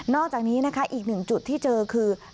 อกจากนี้นะคะอีกหนึ่งจุดที่เจอคือ